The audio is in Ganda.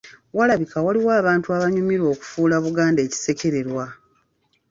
Walabika waliwo abantu abanyumirwa okufuula Buganda ekisekererwa.